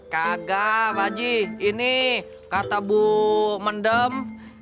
kagam aji ini kata bu mendem